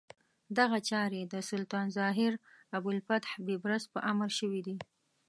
دغه چارې د سلطان الظاهر ابوالفتح بیبرس په امر شوې دي.